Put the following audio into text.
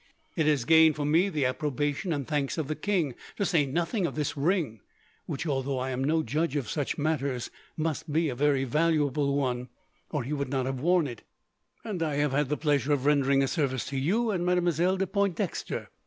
It has gained for me the approbation and thanks of the king, to say nothing of this ring, which, although I am no judge of such matters, must be a very valuable one, or he would not have worn it; and I have had the pleasure of rendering a service to you, and Mademoiselle de Pointdexter.